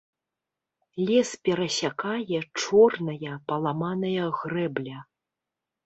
Лес перасякае чорная паламаная грэбля.